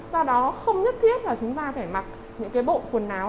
do đó không nhất thiết là chúng ta phải mặc những cái bộ quần áo